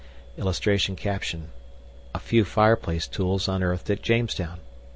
[Illustration: A FEW FIREPLACE TOOLS UNEARTHED AT JAMESTOWN.